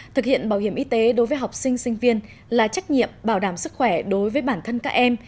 thực hiện bảo hiểm y tế đối với học sinh sinh viên là trách nhiệm bảo đảm sức khỏe đối với bản thân các em